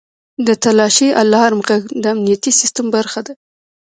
• د تالاشۍ الارم ږغ د امنیتي سیستم برخه ده.